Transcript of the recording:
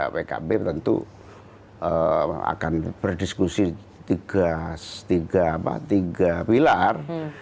pkb tentu akan berdiskusi tiga pilar